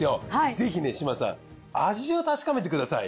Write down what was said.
ぜひね志真さん味を確かめてください。